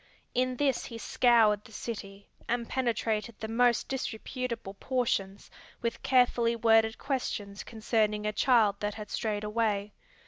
In this he scoured the city, and penetrated the most disreputable portions with carefully worded questions concerning a child that had strayed away.